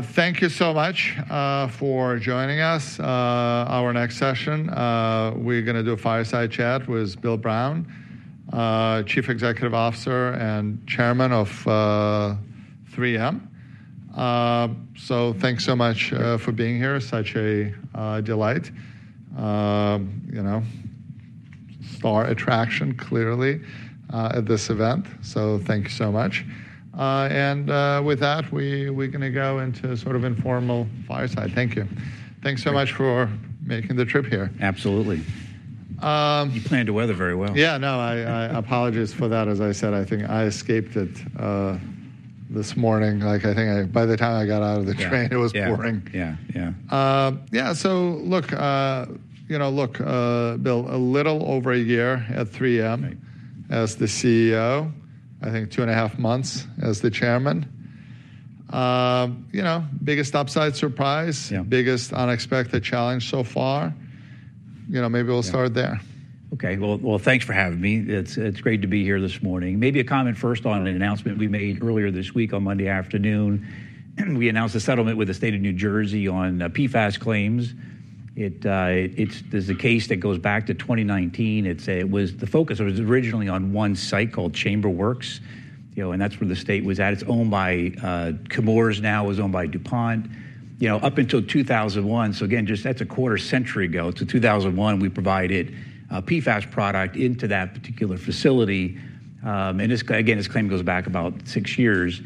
Thank you so much for joining us. Our next session, we're going to do a fireside chat with Bill Brown, Chief Executive Officer and Chairman of 3M. Thank you so much for being here. Such a delight. You know, star attraction, clearly, at this event. Thank you so much. With that, we're going to go into sort of informal fireside. Thank you. Thanks so much for making the trip here. Absolutely. You planned to weather very well. Yeah, no, I apologize for that. As I said, I think I escaped it this morning. Like, I think by the time I got out of the train, it was pouring. Yeah, yeah. Yeah, so look, you know, look, Bill, a little over a year at 3M as the CEO, I think two and a half months as the Chairman. You know, biggest upside surprise, biggest unexpected challenge so far. You know, maybe we'll start there. Okay, thanks for having me. It's great to be here this morning. Maybe a comment first on an announcement we made earlier this week on Monday afternoon. We announced a settlement with the state of New Jersey on PFAS claims. It's a case that goes back to 2019. The focus was originally on one site called Chambers Works, and that's where the state was at. It's owned by Chemours now, it was owned by DuPont up until 2001. Again, that's a quarter century ago. So 2001, we provided a PFAS product into that particular facility. Again, this claim goes back about six years.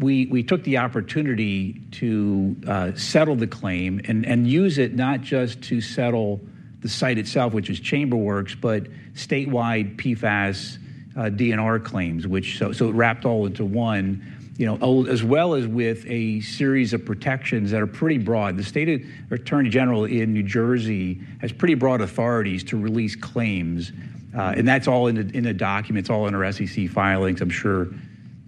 We took the opportunity to settle the claim and use it not just to settle the site itself, which is Chambers Works, but statewide PFAS DNR claims, which, so it wrapped all into one, you know, as well as with a series of protections that are pretty broad. The state attorney general in New Jersey has pretty broad authorities to release claims. And that's all in the documents, all in our SEC filings. I'm sure,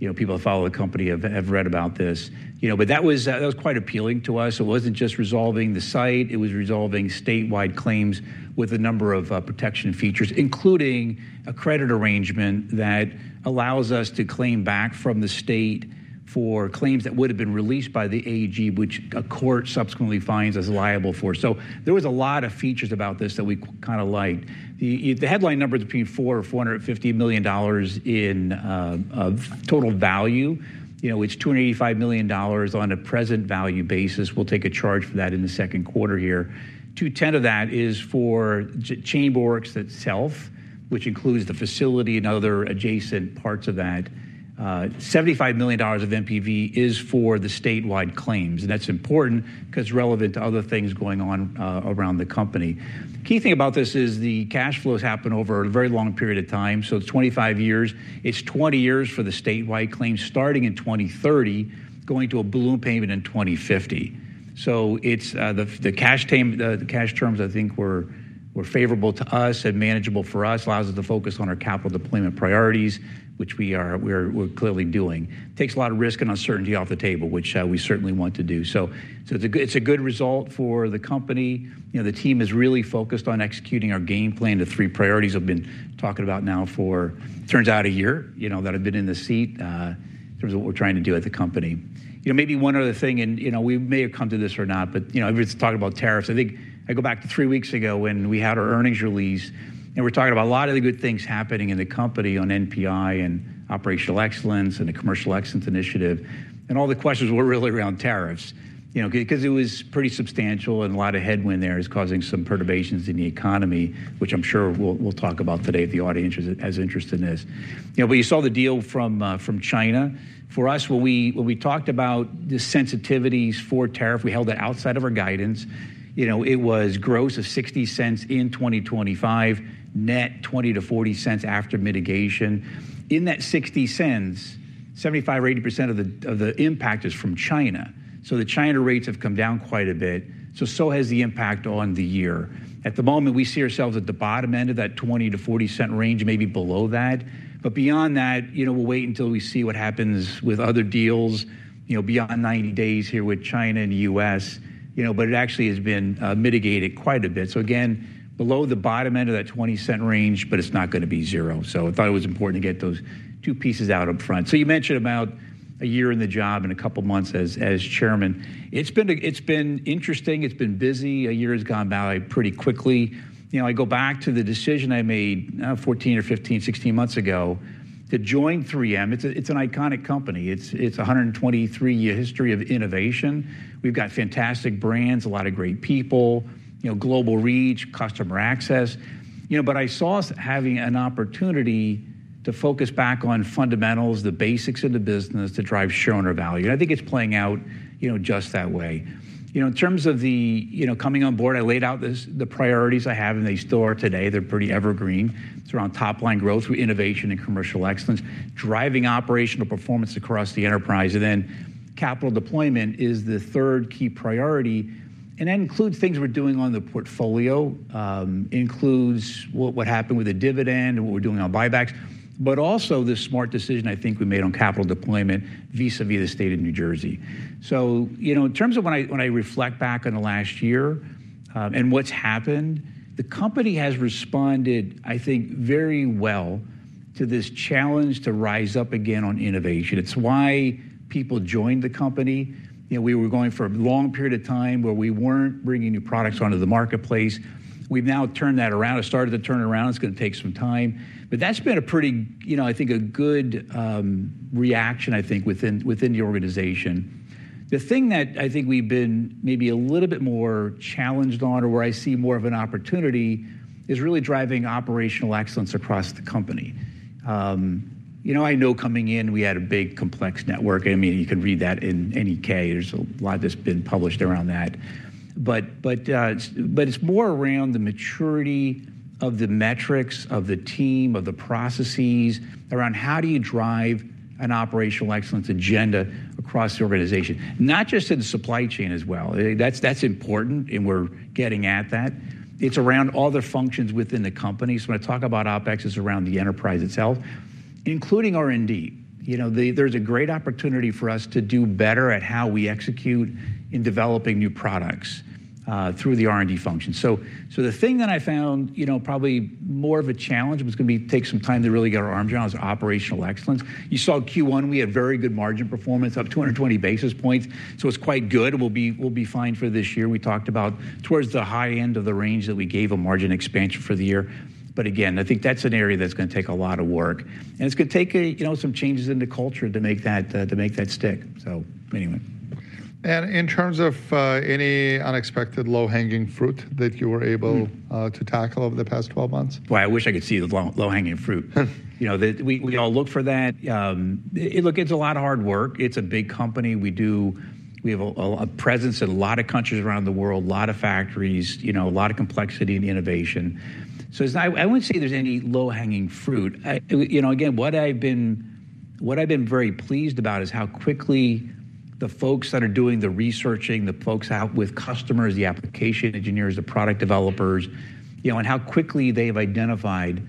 you know, people who follow the company have read about this. You know, but that was quite appealing to us. It wasn't just resolving the site. It was resolving statewide claims with a number of protection features, including a credit arrangement that allows us to claim back from the state for claims that would have been released by the AEG, which a court subsequently finds us liable for. There was a lot of features about this that we kind of liked. The headline number between $400 million and $450 million in total value, you know, it's $285 million on a present value basis. We'll take a charge for that in the second quarter here. 2/10 of that is for Chambers Works itself, which includes the facility and other adjacent parts of that. $75 million of MPV is for the statewide claims. And that's important because it's relevant to other things going on around the company. The key thing about this is the cash flows happen over a very long period of time. It's 25 years. It's 20 years for the statewide claims starting in 2030, going to a balloon payment in 2050. The cash terms, I think, were favorable to us and manageable for us, allows us to focus on our capital deployment priorities, which we are clearly doing. Takes a lot of risk and uncertainty off the table, which we certainly want to do. It's a good result for the company. You know, the team is really focused on executing our game plan. The three priorities I've been talking about now for, turns out, a year, you know, that I've been in the seat in terms of what we're trying to do at the company. You know, maybe one other thing, and you know, we may have come to this or not, but you know, everyone's talking about tariffs. I think I go back to three weeks ago when we had our earnings release, and we're talking about a lot of the good things happening in the company on NPI and operational excellence and the commercial excellence initiative. All the questions were really around tariffs, you know, because it was pretty substantial and a lot of headwind there is causing some perturbations in the economy, which I'm sure we'll talk about today if the audience has interest in this. You know, you saw the deal from China. For us, when we talked about the sensitivities for tariff, we held that outside of our guidance. It was gross of $0.60 in 2025, net $0.20-$0.40 after mitigation. In that $0.60, 75% or 80% of the impact is from China. The China rates have come down quite a bit. So has the impact on the year. At the moment, we see ourselves at the bottom end of that $0.20-$0.40 range, maybe below that. Beyond that, you know, we'll wait until we see what happens with other deals, you know, beyond 90 days here with China and the U.S., you know, but it actually has been mitigated quite a bit. Again, below the bottom end of that $0.20 range, but it's not going to be zero. I thought it was important to get those two pieces out up front. You mentioned about a year in the job and a couple of months as Chairman. It's been interesting. It's been busy. A year has gone by pretty quickly. You know, I go back to the decision I made 14 or 15, 16 months ago to join 3M. It's an iconic company. It's a 123-year history of innovation. We've got fantastic brands, a lot of great people, you know, global reach, customer access. You know, I saw us having an opportunity to focus back on fundamentals, the basics of the business to drive shareholder value. I think it's playing out, you know, just that way. You know, in terms of the, you know, coming on board, I laid out the priorities I have in the store today. They're pretty evergreen. It's around top line growth, innovation, and commercial excellence, driving operational performance across the enterprise. Capital deployment is the third key priority. That includes things we're doing on the portfolio, includes what happened with the dividend, what we're doing on buybacks, but also the smart decision I think we made on capital deployment vis-à-vis the state of New Jersey. You know, in terms of when I reflect back on the last year and what's happened, the company has responded, I think, very well to this challenge to rise up again on innovation. It's why people joined the company. You know, we were going for a long period of time where we weren't bringing new products onto the marketplace. We've now turned that around. It started to turn around. It's going to take some time. That has been a pretty, you know, I think, a good reaction, I think, within the organization. The thing that I think we've been maybe a little bit more challenged on or where I see more of an opportunity is really driving operational excellence across the company. You know, I know coming in, we had a big complex network. I mean, you can read that in any case. There's a lot that's been published around that. But it's more around the maturity of the metrics, of the team, of the processes around how do you drive an operational excellence agenda across the organization, not just in the supply chain as well. That's important, and we're getting at that. It's around all the functions within the company. So when I talk about OPEX, it's around the enterprise itself, including R&D. You know, there's a great opportunity for us to do better at how we execute in developing new products through the R&D function. So the thing that I found, you know, probably more of a challenge was going to take some time to really get our arms around is operational excellence. You saw Q1, we had very good margin performance, up 220 basis points. So it's quite good. We'll be fine for this year. We talked about towards the high end of the range that we gave a margin expansion for the year. Again, I think that's an area that's going to take a lot of work. It's going to take, you know, some changes in the culture to make that stick. So anyway. In terms of any unexpected low-hanging fruit that you were able to tackle over the past 12 months? I wish I could see the low-hanging fruit. You know, we all look for that. Look, it's a lot of hard work. It's a big company. We have a presence in a lot of countries around the world, a lot of factories, you know, a lot of complexity and innovation. I wouldn't say there's any low-hanging fruit. You know, again, what I've been very pleased about is how quickly the folks that are doing the researching, the folks out with customers, the application engineers, the product developers, you know, and how quickly they've identified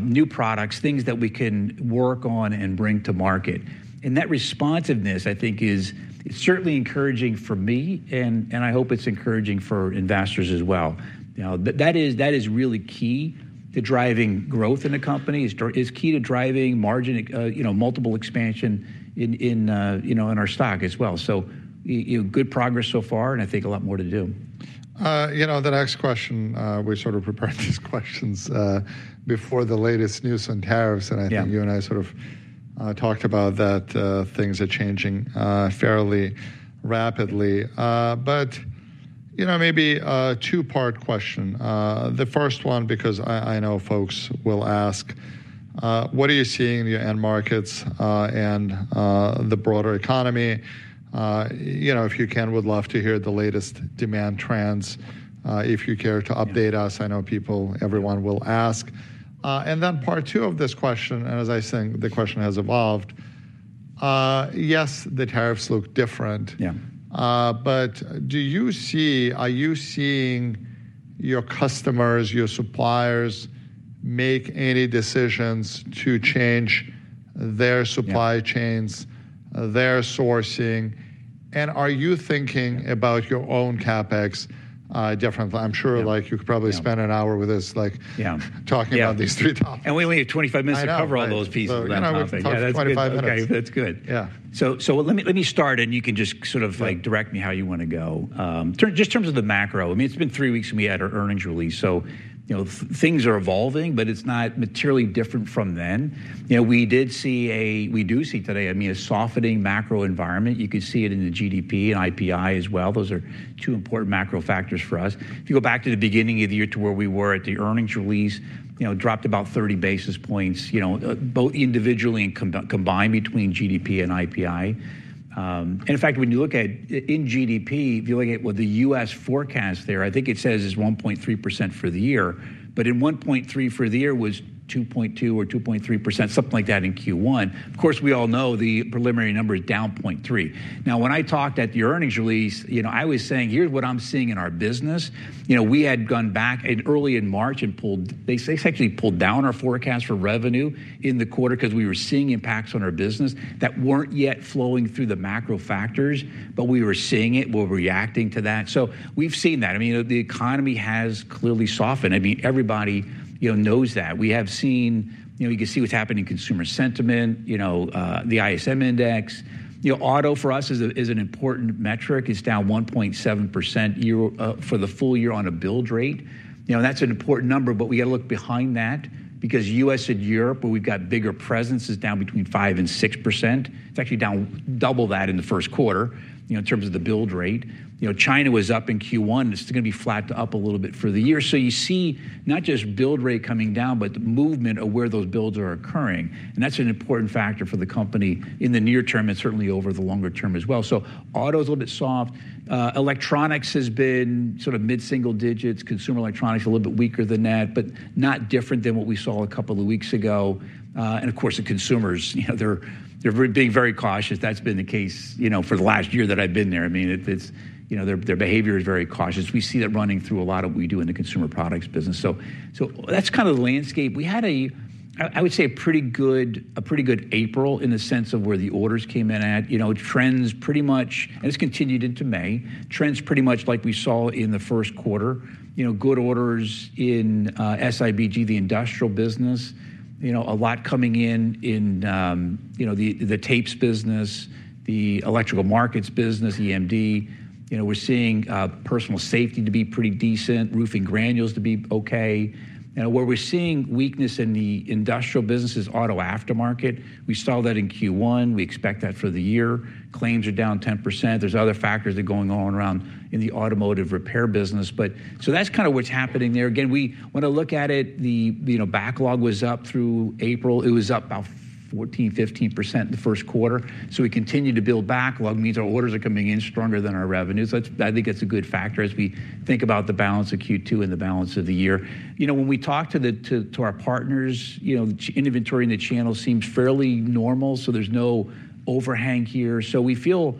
new products, things that we can work on and bring to market. That responsiveness, I think, is certainly encouraging for me, and I hope it's encouraging for investors as well. Now, that is really key to driving growth in a company, is key to driving margin, you know, multiple expansion in our stock as well. Good progress so far, and I think a lot more to do. You know, the next question, we sort of prepared these questions before the latest news on tariffs, and I think you and I sort of talked about that things are changing fairly rapidly. You know, maybe a two-part question. The first one, because I know folks will ask, what are you seeing in your end markets and the broader economy? You know, if you can, we'd love to hear the latest demand trends. If you care to update us, I know people, everyone will ask. Then part two of this question, and as I think the question has evolved, yes, the tariffs look different. Yeah. Do you see, are you seeing your customers, your suppliers make any decisions to change their supply chains, their sourcing? Are you thinking about your own CapEx differently? I'm sure, like, you could probably spend an hour with us, like, talking about these three topics. Yeah, and we only have 25 minutes to cover all those pieces. Yeah, 25 minutes. Okay, that's good. Yeah. Let me start, and you can just sort of like direct me how you want to go. Just in terms of the macro, I mean, it's been three weeks and we had our earnings release. You know, things are evolving, but it's not materially different from then. You know, we did see a, we do see today, I mean, a softening macro environment. You can see it in the GDP and IPI as well. Those are two important macro factors for us. If you go back to the beginning of the year to where we were at the earnings release, you know, dropped about 30 basis points, you know, both individually and combined between GDP and IPI. In fact, when you look at in GDP, if you look at what the U.S. forecast there, I think it says is 1.3% for the year, but in 1.3 for the year was 2.2% or 2.3%, something like that in Q1. Of course, we all know the preliminary number is down 0.3%. Now, when I talked at the earnings release, you know, I was saying, here's what I'm seeing in our business. You know, we had gone back early in March and pulled, they actually pulled down our forecast for revenue in the quarter because we were seeing impacts on our business that weren't yet flowing through the macro factors, but we were seeing it. We're reacting to that. We've seen that. I mean, the economy has clearly softened. I mean, everybody, you know, knows that. We have seen, you know, you can see what's happened in consumer sentiment, you know, the ISM index. You know, auto for us is an important metric. It's down 1.7% year for the full year on a build rate. You know, that's an important number, but we got to look behind that because U.S. and Europe, where we've got bigger presence, is down between 5% and 6%. It's actually down double that in the first quarter, you know, in terms of the build rate. You know, China was up in Q1. It's going to be flat to up a little bit for the year. You see not just build rate coming down, but the movement of where those builds are occurring. That's an important factor for the company in the near term and certainly over the longer term as well. Auto is a little bit soft. Electronics has been sort of mid-single digits. Consumer electronics a little bit weaker than that, but not different than what we saw a couple of weeks ago. Of course, the consumers, you know, they're being very cautious. That's been the case, you know, for the last year that I've been there. I mean, it's, you know, their behavior is very cautious. We see that running through a lot of what we do in the consumer products business. That's kind of the landscape. We had a, I would say, a pretty good April in the sense of where the orders came in at. You know, trends pretty much, and it's continued into May, trends pretty much like we saw in the first quarter. You know, good orders in SIBG, the industrial business, you know, a lot coming in in, you know, the tapes business, the electrical markets business, EMD. You know, we're seeing personal safety to be pretty decent, roofing granules to be okay. You know, where we're seeing weakness in the industrial business is auto aftermarket. We saw that in Q1. We expect that for the year. Claims are down 10%. There's other factors that are going on around in the automotive repair business. That's kind of what's happening there. Again, we want to look at it. The, you know, backlog was up through April. It was up about 14%-15% in the first quarter. We continue to build backlog, means our orders are coming in stronger than our revenues. I think that's a good factor as we think about the balance of Q2 and the balance of the year. You know, when we talk to our partners, you know, inventory in the channel seems fairly normal. There's no overhang here. We feel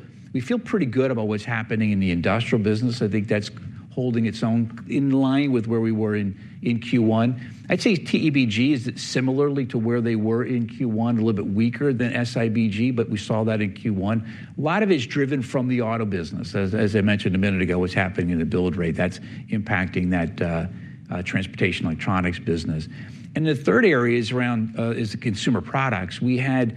pretty good about what's happening in the industrial business. I think that's holding its own in line with where we were in Q1. I'd say TEBG is similarly to where they were in Q1, a little bit weaker than SIBG, but we saw that in Q1. A lot of it is driven from the auto business, as I mentioned a minute ago, what's happening in the build rate that's impacting that transportation electronics business. The third area is around the consumer products. We had,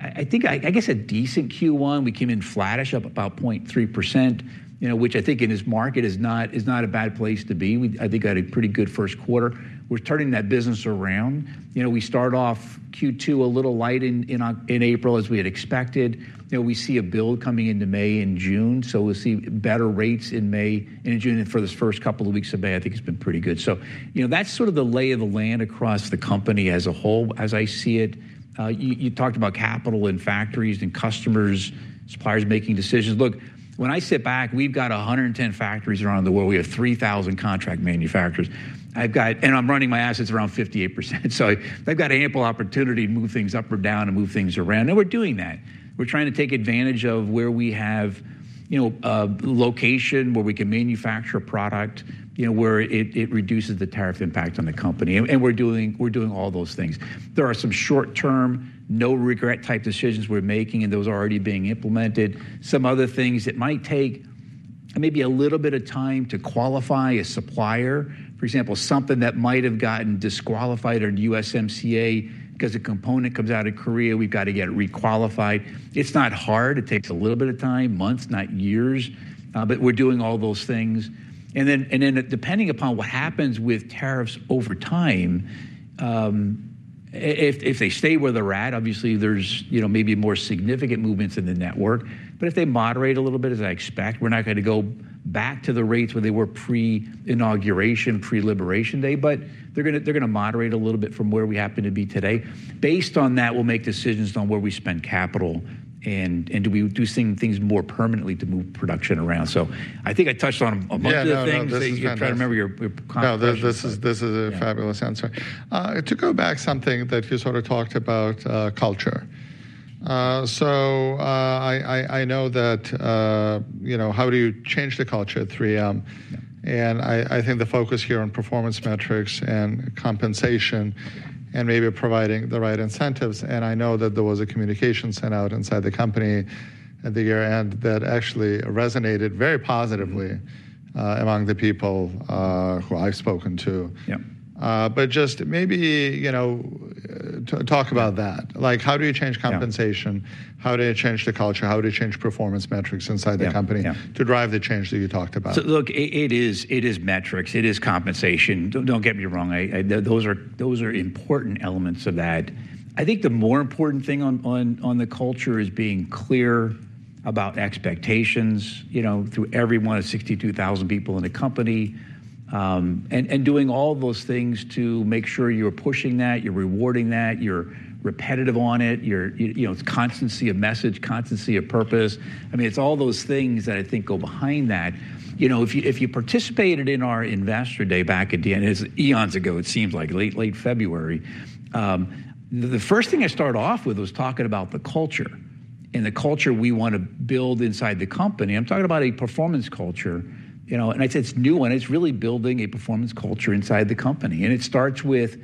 I think, I guess a decent Q1. We came in flattish, up about 0.3%, you know, which I think in this market is not a bad place to be. I think we had a pretty good first quarter. We're turning that business around. You know, we start off Q2 a little light in April as we had expected. You know, we see a build coming into May and June. We'll see better rates in May and June. For the first couple of weeks of May, I think it's been pretty good. You know, that's sort of the lay of the land across the company as a whole, as I see it. You talked about capital and factories and customers, suppliers making decisions. Look, when I sit back, we've got 110 factories around the world. We have 3,000 contract manufacturers. I've got, and I'm running my assets around 58%. They've got ample opportunity to move things up or down and move things around. We're doing that. We're trying to take advantage of where we have, you know, location where we can manufacture a product, you know, where it reduces the tariff impact on the company. We're doing all those things. There are some short-term, no regret type decisions we're making, and those are already being implemented. Some other things that might take maybe a little bit of time to qualify a supplier, for example, something that might have gotten disqualified or USMCA because a component comes out of Korea, we've got to get it requalified. It's not hard. It takes a little bit of time, months, not years. We're doing all those things. Depending upon what happens with tariffs over time, if they stay where they're at, obviously there's, you know, maybe more significant movements in the network. If they moderate a little bit, as I expect, we're not going to go back to the rates where they were pre-inauguration, pre-liberation day, but they're going to moderate a little bit from where we happen to be today. Based on that, we'll make decisions on where we spend capital and do we do things more permanently to move production around. I think I touched on a bunch of things. I'm trying to remember your comments. No, this is a fabulous answer. To go back, something that you sort of talked about, culture. I know that, you know, how do you change the culture at 3M? I think the focus here on performance metrics and compensation and maybe providing the right incentives. I know that there was a communication sent out inside the company at the year-end that actually resonated very positively among the people who I've spoken to. Yeah. Just maybe, you know, talk about that. Like, how do you change compensation? How do you change the culture? How do you change performance metrics inside the company to drive the change that you talked about? Look, it is metrics. It is compensation. Don't get me wrong. Those are important elements of that. I think the more important thing on the culture is being clear about expectations, you know, through every one of 62,000 people in the company and doing all those things to make sure you're pushing that, you're rewarding that, you're repetitive on it, you know, it's constancy of message, constancy of purpose. I mean, it's all those things that I think go behind that. You know, if you participated in our investor day back at DNS eons ago, it seems like late February, the first thing I started off with was talking about the culture and the culture we want to build inside the company. I'm talking about a performance culture, you know, and I said it's new and it's really building a performance culture inside the company. It starts with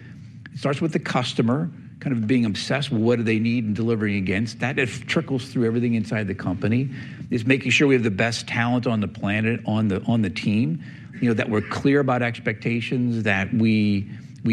the customer kind of being obsessed with what do they need and delivering against. That trickles through everything inside the company, making sure we have the best talent on the planet, on the team, you know, that we're clear about expectations, that we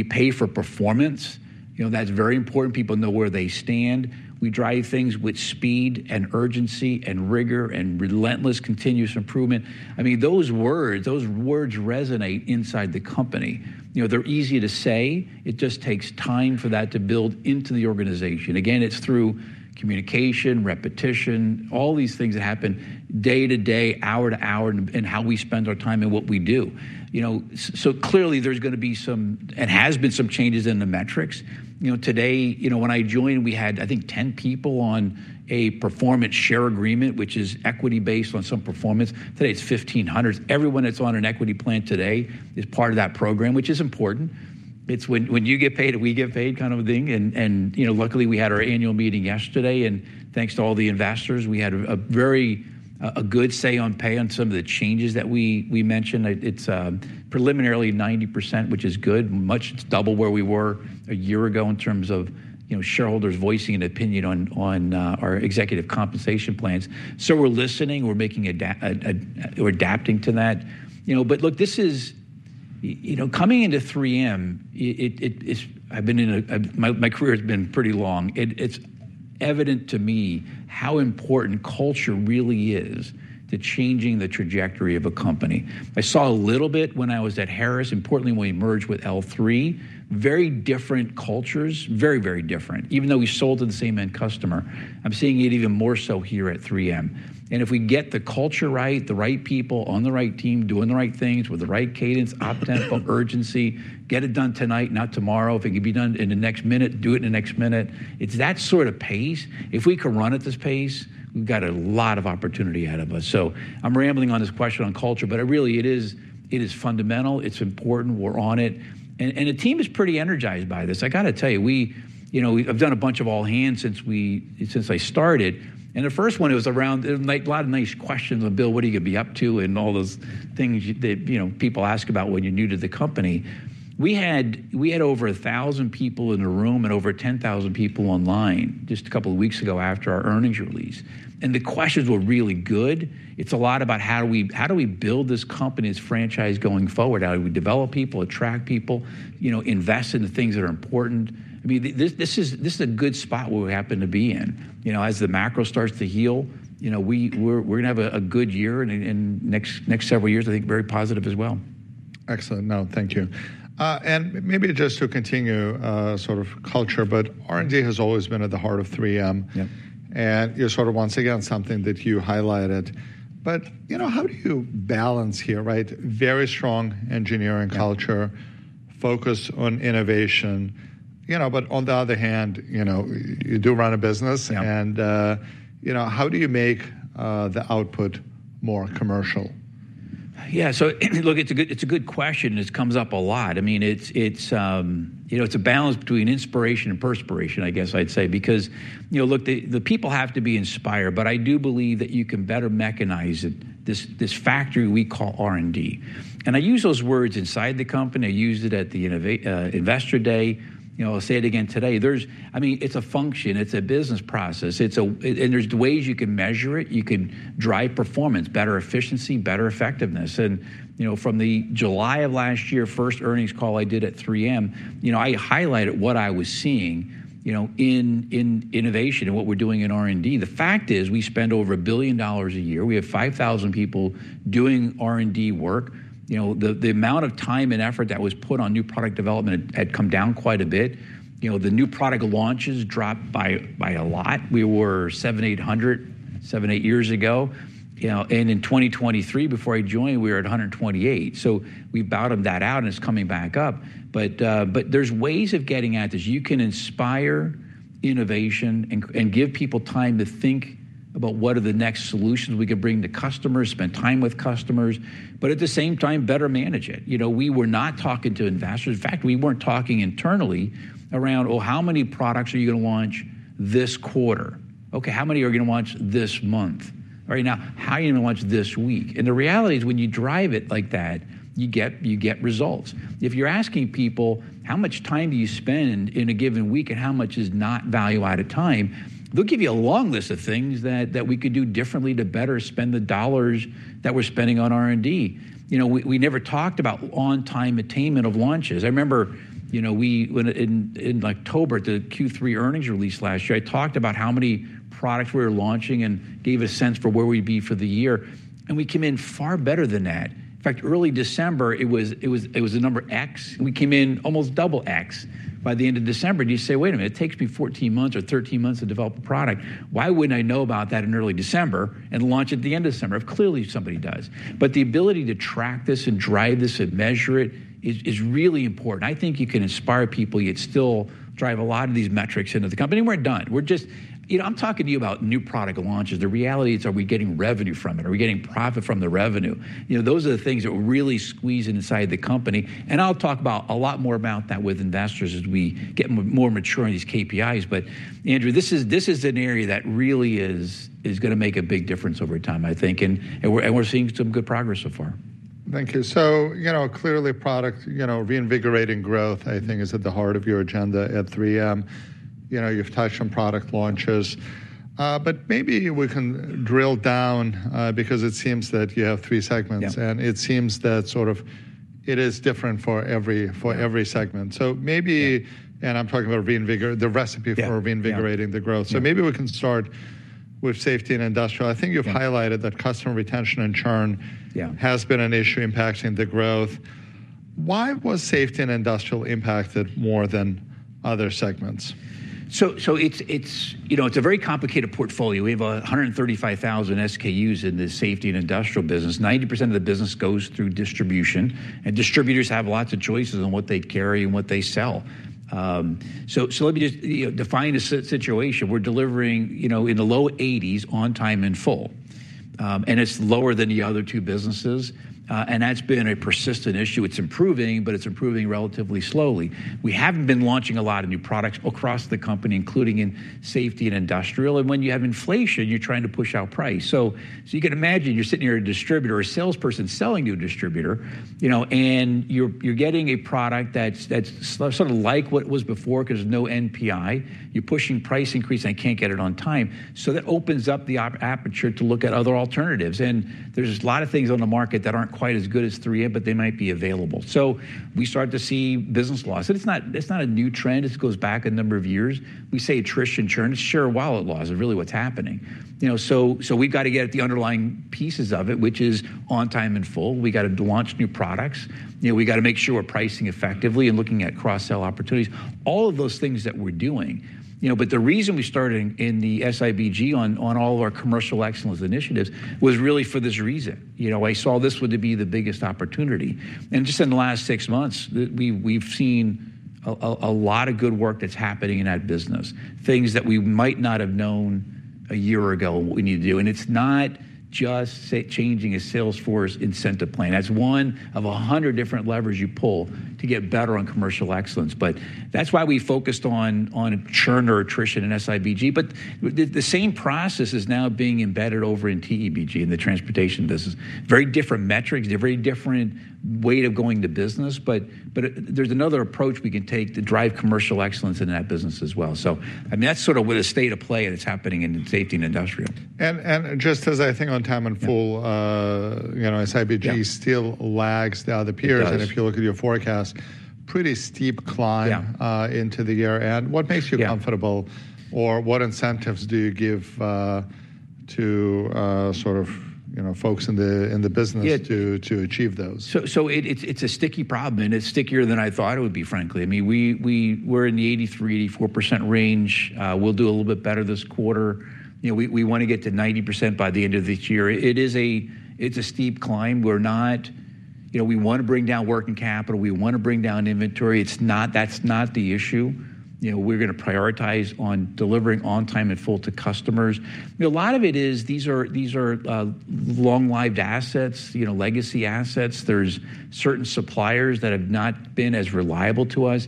pay for performance. You know, that's very important. People know where they stand. We drive things with speed and urgency and rigor and relentless continuous improvement. I mean, those words, those words resonate inside the company. You know, they're easy to say. It just takes time for that to build into the organization. Again, it's through communication, repetition, all these things that happen day to day, hour to hour, and how we spend our time and what we do. You know, so clearly there's going to be some, and has been some changes in the metrics. You know, today, you know, when I joined, we had, I think, 10 people on a performance share agreement, which is equity based on some performance. Today it's 1,500. Everyone that's on an equity plan today is part of that program, which is important. It's when you get paid, we get paid kind of a thing. You know, luckily we had our annual meeting yesterday. And thanks to all the investors, we had a very good say on pay on some of the changes that we mentioned. It's preliminarily 90%, which is good. Much double where we were a year ago in terms of, you know, shareholders voicing an opinion on our executive compensation plans. So we're listening, we're making adapting to that. You know, but look, this is, you know, coming into 3M, I've been in, my career has been pretty long. It's evident to me how important culture really is to changing the trajectory of a company. I saw a little bit when I was at Harris, importantly when we merged with L3, very different cultures, very, very different, even though we sold to the same end customer. I'm seeing it even more so here at 3M. If we get the culture right, the right people on the right team doing the right things with the right cadence, optimal urgency, get it done tonight, not tomorrow. If it can be done in the next minute, do it in the next minute. It's that sort of pace. If we can run at this pace, we've got a lot of opportunity ahead of us. I'm rambling on this question on culture, but it really, it is fundamental. It's important. We're on it. The team is pretty energized by this. I got to tell you, we, you know, I've done a bunch of all hands since I started. The first one was around a lot of nice questions on, "Bill, what are you going to be up to?" and all those things that, you know, people ask about when you're new to the company. We had over 1,000 people in the room and over 10,000 people online just a couple of weeks ago after our earnings release. The questions were really good. It's a lot about how do we build this company's franchise going forward? How do we develop people, attract people, you know, invest in the things that are important? I mean, this is a good spot where we happen to be in. You know, as the macro starts to heal, you know, we're going to have a good year in the next several years, I think very positive as well. Excellent. No, thank you. And maybe just to continue sort of culture, but R&D has always been at the heart of 3M. And you're sort of once again something that you highlighted. But, you know, how do you balance here, right? Very strong engineering culture, focus on innovation, you know, but on the other hand, you know, you do run a business. And, you know, how do you make the output more commercial? Yeah. Look, it's a good question. It comes up a lot. I mean, it's, you know, it's a balance between inspiration and perspiration, I guess I'd say, because, you know, look, the people have to be inspired, but I do believe that you can better mechanize this factory we call R&D. I use those words inside the company. I used it at the Investor Day. I'll say it again today. It's a function. It's a business process. There are ways you can measure it. You can drive performance, better efficiency, better effectiveness. You know, from the July of last year first earnings call I did at 3M, I highlighted what I was seeing, you know, in innovation and what we're doing in R&D. The fact is we spend over $1 billion a year. We have 5,000 people doing R&D work. You know, the amount of time and effort that was put on new product development had come down quite a bit. You know, the new product launches dropped by a lot. We were 7,800, seven, eight years ago. You know, and in 2023, before I joined, we were at 128. So we bottomed that out and it is coming back up. There are ways of getting at this. You can inspire innovation and give people time to think about what are the next solutions we can bring to customers, spend time with customers, but at the same time, better manage it. You know, we were not talking to investors. In fact, we were not talking internally around, "Oh, how many products are you going to launch this quarter?" "How many are you going to launch this month?" All right. Now, "How are you going to launch this week?" The reality is when you drive it like that, you get results. If you're asking people, "How much time do you spend in a given week and how much is not value-added time?" they'll give you a long list of things that we could do differently to better spend the dollars that we're spending on R&D. You know, we never talked about on-time attainment of launches. I remember, you know, in October, the Q3 earnings release last year, I talked about how many products we were launching and gave a sense for where we'd be for the year. We came in far better than that. In fact, early December, it was a number x. We came in almost double x by the end of December. You say, "Wait a minute, it takes me 14 months or 13 months to develop a product. Why wouldn't I know about that in early December and launch at the end of December?" Clearly, somebody does. The ability to track this and drive this and measure it is really important. I think you can inspire people. You'd still drive a lot of these metrics into the company. We're done. We're just, you know, I'm talking to you about new product launches. The reality is, are we getting revenue from it? Are we getting profit from the revenue? You know, those are the things that will really squeeze inside the company. I'll talk a lot more about that with investors as we get more mature in these KPIs. Andrew, this is an area that really is going to make a big difference over time, I think. We're seeing some good progress so far. Thank you. So, you know, clearly product, you know, reinvigorating growth, I think, is at the heart of your agenda at 3M. You know, you've touched on product launches. Maybe we can drill down because it seems that you have three segments. It seems that sort of it is different for every segment. Maybe, and I'm talking about the recipe for reinvigorating the growth. Maybe we can start with safety and industrial. I think you've highlighted that customer retention and churn has been an issue impacting the growth. Why was safety and industrial impacted more than other segments? It's, you know, it's a very complicated portfolio. We have 135,000 SKUs in the safety and industrial business. 90% of the business goes through distribution. Distributors have lots of choices on what they carry and what they sell. Let me just define a situation. We're delivering, you know, in the low 80s on time and full. It's lower than the other two businesses. That's been a persistent issue. It's improving, but it's improving relatively slowly. We haven't been launching a lot of new products across the company, including in safety and industrial. When you have inflation, you're trying to push out price. You can imagine you're sitting here at a distributor, a salesperson selling to a distributor, you know, and you're getting a product that's sort of like what it was before because there's no NPI. You're pushing price increase. I can't get it on time. That opens up the aperture to look at other alternatives. There are a lot of things on the market that aren't quite as good as 3M, but they might be available. We start to see business loss. It's not a new trend. It goes back a number of years. We say attrition churn. It's share wallet loss is really what's happening. You know, we've got to get at the underlying pieces of it, which is on time and full. We got to launch new products. You know, we got to make sure we're pricing effectively and looking at cross-sell opportunities. All of those things that we're doing, you know, but the reason we started in the SIBG on all of our commercial excellence initiatives was really for this reason. You know, I saw this would be the biggest opportunity. Just in the last six months, we've seen a lot of good work that's happening in that business, things that we might not have known a year ago what we need to do. It's not just changing a Salesforce incentive plan. That's one of a hundred different levers you pull to get better on commercial excellence. That's why we focused on churn or attrition in SIBG. The same process is now being embedded over in TEBG in the transportation business. Very different metrics, very different way of going to business. There's another approach we can take to drive commercial excellence in that business as well. I mean, that's sort of with a state of play that's happening in safety and industrial. Just as I think on time and full, you know, as IPG still lags down the peers. If you look at your forecast, pretty steep climb into the year. What makes you comfortable? Or what incentives do you give to sort of, you know, folks in the business to achieve those? It's a sticky problem. It's stickier than I thought it would be, frankly. I mean, we're in the 83%-84% range. We'll do a little bit better this quarter. You know, we want to get to 90% by the end of this year. It's a steep climb. We're not, you know, we want to bring down working capital. We want to bring down inventory. That's not the issue. You know, we're going to prioritize on delivering on time and full to customers. A lot of it is these are long-lived assets, you know, legacy assets. There are certain suppliers that have not been as reliable to us.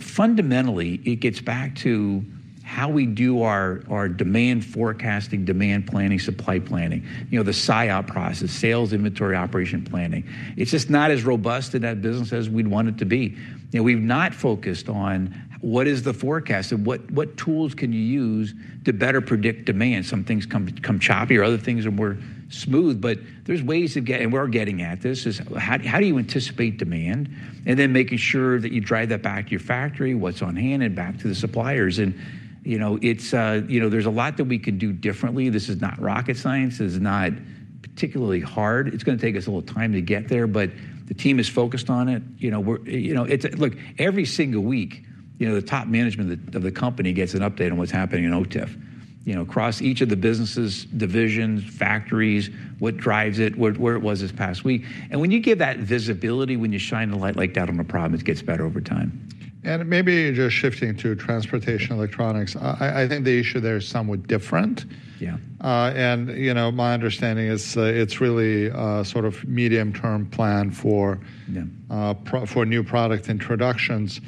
Fundamentally, it gets back to how we do our demand forecasting, demand planning, supply planning, you know, the PSYOP process, sales inventory operation planning. It's just not as robust in that business as we'd want it to be. You know, we've not focused on what is the forecast and what tools can you use to better predict demand. Some things come choppier. Other things are more smooth. There are ways to get, and we're getting at this is how do you anticipate demand? Then making sure that you drive that back to your factory, what's on hand and back to the suppliers. You know, there's a lot that we can do differently. This is not rocket science. This is not particularly hard. It's going to take us a little time to get there. The team is focused on it. You know, look, every single week, you know, the top management of the company gets an update on what's happening in OTIF, you know, across each of the businesses, divisions, factories, what drives it, where it was this past week. When you give that visibility, when you shine the light down on a problem, it gets better over time. Maybe just shifting to transportation electronics, I think the issue there is somewhat different. Yeah. You know, my understanding is it's really sort of medium-term plan for new product introductions.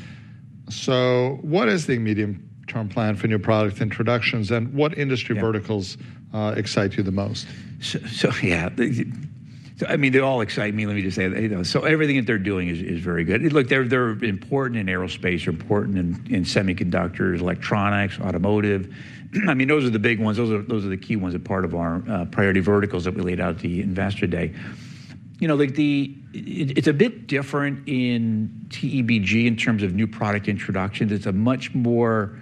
What is the medium-term plan for new product introductions? What industry verticals excite you the most? Yeah, I mean, they all excite me. Let me just say that. Everything that they're doing is very good. Look, they're important in aerospace, important in semiconductors, electronics, automotive. I mean, those are the big ones. Those are the key ones that are part of our priority verticals that we laid out at the investor day. You know, it's a bit different in TEBG in terms of new product introductions. It's a much more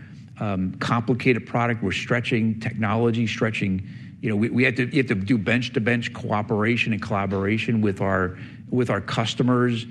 complicated product. We're stretching technology, stretching, you know, we have to do bench-to-bench cooperation and collaboration with our customers,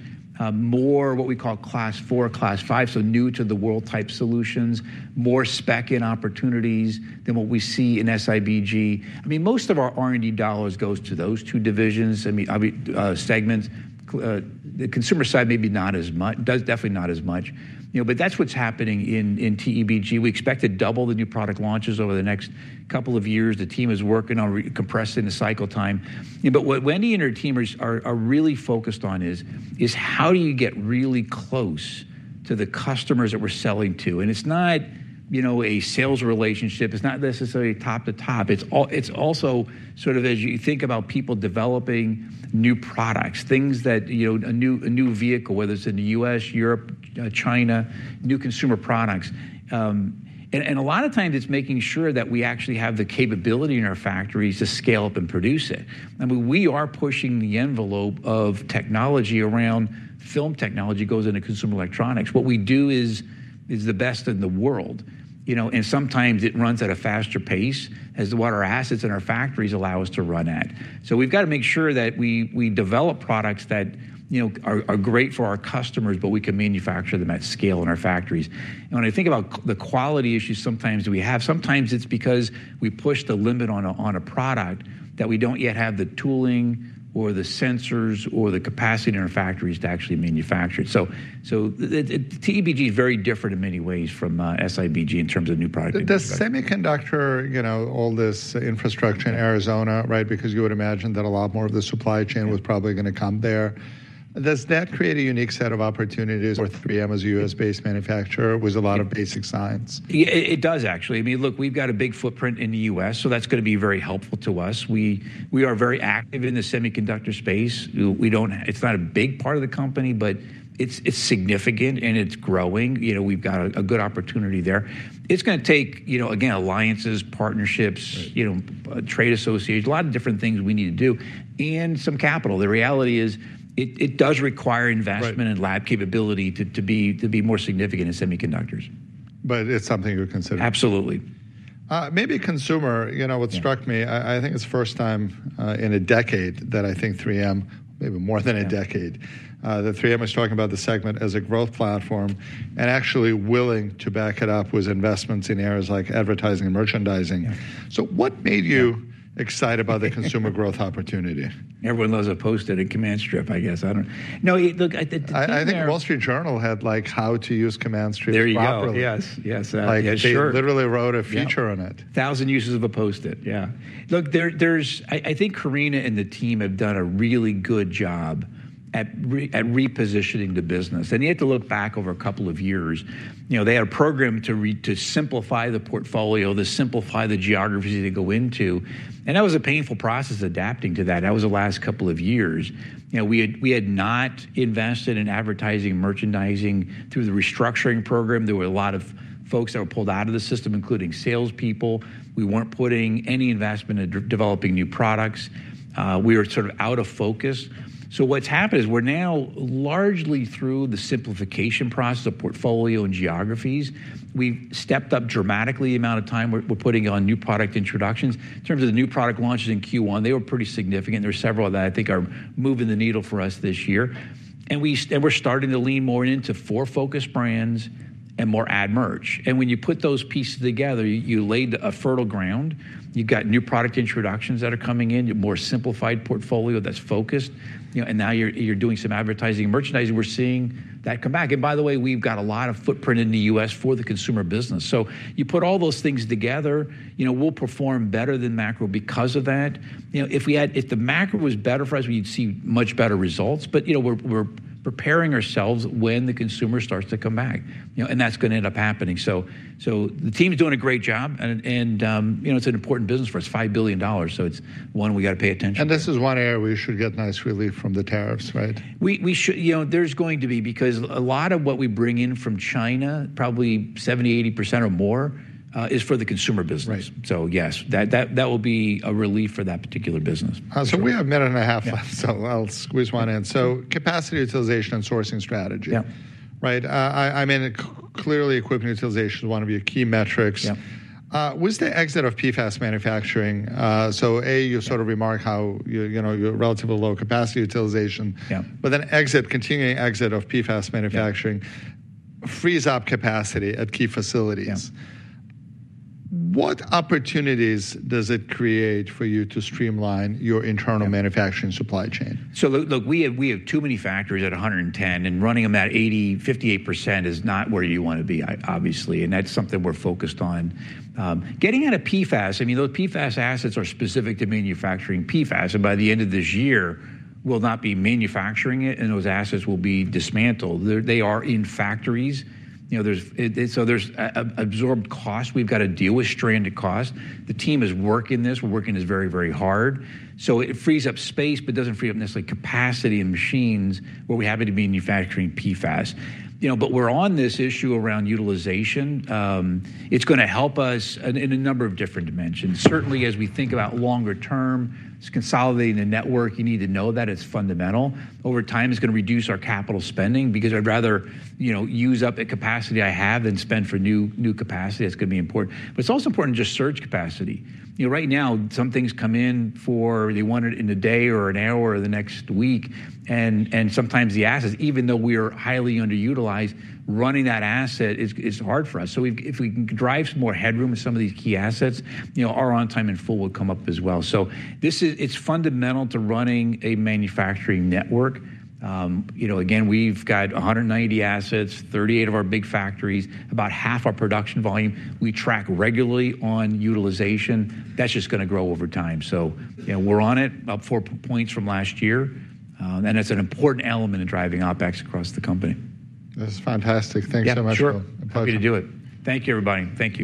more what we call class four, class five, so new to the world type solutions, more spec-in opportunities than what we see in SIBG. I mean, most of our R&D dollars goes to those two divisions, I mean, segments. The consumer side maybe not as much, definitely not as much. You know, but that's what's happening in TEBG. We expect to double the new product launches over the next couple of years. The team is working on compressing the cycle time. What Wendy and her team are really focused on is how do you get really close to the customers that we're selling to? It's not, you know, a sales relationship. It's not necessarily top to top. It's also sort of as you think about people developing new products, things that, you know, a new vehicle, whether it's in the U.S., Europe, China, new consumer products. A lot of times it's making sure that we actually have the capability in our factories to scale up and produce it. I mean, we are pushing the envelope of technology around film technology goes into consumer electronics. What we do is the best in the world. You know, and sometimes it runs at a faster pace than what our assets in our factories allow us to run at. We have to make sure that we develop products that, you know, are great for our customers, but we can manufacture them at scale in our factories. When I think about the quality issues sometimes we have, sometimes it's because we push the limit on a product that we do not yet have the tooling or the sensors or the capacity in our factories to actually manufacture it. TEBG is very different in many ways from SIBG in terms of new product introduction. The semiconductor, you know, all this infrastructure in Arizona, right? Because you would imagine that a lot more of the supply chain was probably going to come there. Does that create a unique set of opportunities? Or 3M as a U.S.-based manufacturer with a lot of basic science? It does, actually. I mean, look, we've got a big footprint in the U.S. So that's going to be very helpful to us. We are very active in the semiconductor space. It's not a big part of the company, but it's significant and it's growing. You know, we've got a good opportunity there. It's going to take, you know, again, alliances, partnerships, you know, trade associations, a lot of different things we need to do and some capital. The reality is it does require investment and lab capability to be more significant in semiconductors. It's something you would consider? Absolutely. Maybe consumer, you know, what struck me, I think it's the first time in a decade that I think 3M, maybe more than a decade, that 3M was talking about the segment as a growth platform and actually willing to back it up with investments in areas like advertising and merchandising. What made you excited about the consumer growth opportunity? Everyone loves a Post-it and Command Strip, I guess. I don't know. I think Wall Street Journal had like how to use Command Strip properly. There you go. Yes. Yes. Like they literally wrote a future on it. Thousand uses of a Post-it. Yeah. Look, there's, I think Carina and the team have done a really good job at repositioning the business. You have to look back over a couple of years. You know, they had a program to simplify the portfolio, to simplify the geographies they go into. That was a painful process adapting to that. That was the last couple of years. You know, we had not invested in advertising, merchandising through the restructuring program. There were a lot of folks that were pulled out of the system, including salespeople. We were not putting any investment in developing new products. We were sort of out of focus. What's happened is we're now largely through the simplification process of portfolio and geographies. We've stepped up dramatically the amount of time we're putting on new product introductions. In terms of the new product launches in Q1, they were pretty significant. There were several that I think are moving the needle for us this year. We're starting to lean more into four-focused brands and more ad merch. When you put those pieces together, you laid a fertile ground. You've got new product introductions that are coming in, a more simplified portfolio that's focused. You know, and now you're doing some advertising and merchandising. We're seeing that come back. By the way, we've got a lot of footprint in the U.S. for the consumer business. You put all those things together, you know, we'll perform better than macro because of that. You know, if the macro was better for us, we'd see much better results. You know, we're preparing ourselves when the consumer starts to come back. You know, and that's going to end up happening. The team's doing a great job. You know, it's an important business for us. It's $5 billion. It's one we got to pay attention to. This is one area where you should get nice relief from the tariffs, right? You know, there's going to be because a lot of what we bring in from China, probably 70%-80% or more, is for the consumer business. So yes, that will be a relief for that particular business. We have a minute and a half left. I'll squeeze one in. Capacity utilization and sourcing strategy, right? I mean, clearly equipment utilization is one of your key metrics. With the exit of PFAS manufacturing, A, you sort of remark how, you know, you're relatively low capacity utilization. Then exit, continuing exit of PFAS manufacturing frees up capacity at key facilities. What opportunities does it create for you to streamline your internal manufacturing supply chain? Look, we have too many factories at 110. Running them at 80, 58% is not where you want to be, obviously. That is something we are focused on. Getting out of PFAS, I mean, those PFAS assets are specific to manufacturing PFAS. By the end of this year, we will not be manufacturing it. Those assets will be dismantled. They are in factories, you know, so there are absorbed costs. We have to deal with stranded costs. The team is working this. We are working this very, very hard. It frees up space, but does not free up necessarily capacity and machines where we have to be manufacturing PFAS. You know, we are on this issue around utilization. It is going to help us in a number of different dimensions. Certainly, as we think about longer term, it is consolidating the network. You need to know that it is fundamental. Over time, it's going to reduce our capital spending because I'd rather, you know, use up the capacity I have than spend for new capacity. That's going to be important. It's also important to just surge capacity. You know, right now, some things come in for, they want it in a day or an hour or the next week. Sometimes the assets, even though we are highly underutilized, running that asset is hard for us. If we can drive some more headroom in some of these key assets, you know, our on time and full will come up as well. It's fundamental to running a manufacturing network. You know, again, we've got 190 assets, 38 of our big factories, about half our production volume. We track regularly on utilization. That's just going to grow over time. You know, we're on it about four points from last year. That's an important element in driving OPEX across the company. That's fantastic. Thanks so much. Happy to do it. Thank you, everybody. Thank you.